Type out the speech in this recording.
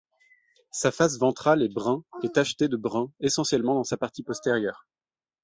Sa face ventrale est brun et tacheté de brun essentiellement dans sa partie postérieure.